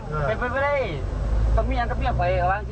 กลับไปเลยจนกลั้งกระเบี้ยหัวได้นะครับ